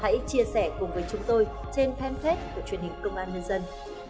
hãy chia sẻ cùng với chúng tôi trên fanpage của truyền hình công an nhân dân